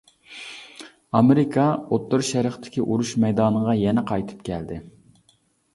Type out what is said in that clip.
ئامېرىكا ئوتتۇرا شەرقتىكى ئۇرۇش مەيدانىغا يەنە قايتىپ كەلدى.